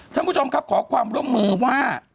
ท่านผู้ชมครับขอความร่วมมือว่า